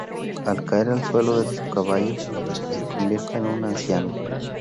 Al caer al suelo de su caballo, se convierte en un anciano.